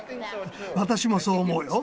私もそう思うよ。